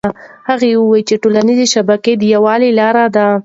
هغه وایي چې ټولنيزې شبکې د یووالي لاره ده.